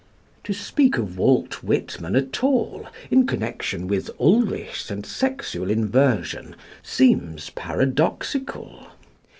To speak of Walt Whitman at all in connection with Ulrichs and sexual inversion seems paradoxical.